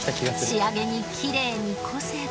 仕上げにきれいにこせば。